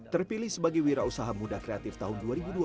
terpilih sebagai wira usaha muda kreatif tahun dua ribu dua belas